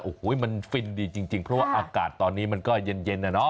โอ้โหมันฟินดีจริงเพราะว่าอากาศตอนนี้มันก็เย็นนะเนาะ